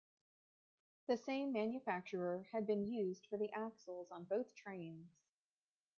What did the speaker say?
The same manufacturer had been used for the axles on both trains.